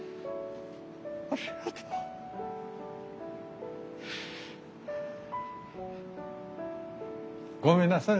ありがとう。ごめんなさい。